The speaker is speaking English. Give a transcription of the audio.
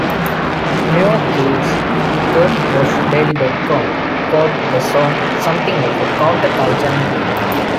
Milwaukee's "Third Coast Daily dot com" called the song "something of a counterculture anthem".